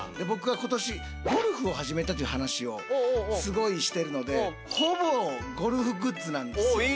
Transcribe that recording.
僕は今年ゴルフを始めたという話をすごいしてるのでほぼゴルフグッズなんですよ。